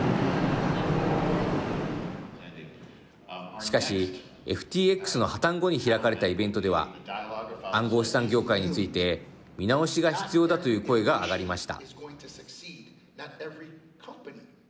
しかし、ＦＴＸの破綻後に開かれたイベントでは暗号資産業界について見直しが必要だという声が上がりました。